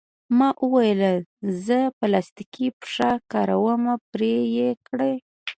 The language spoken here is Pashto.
ما وویل: زه پلاستیکي پښه کاروم، پرې یې کړئ.